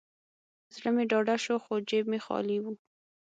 زړه مې ډاډه شو، خو جیب مې خالي و.